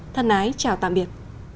thân ái chào tạm biệt